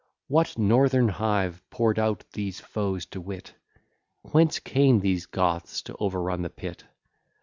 What northern hive pour'd out these foes to wit? Whence came these Goths to overrun the pit?